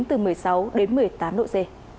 từ một mươi sáu đến một mươi tám độ c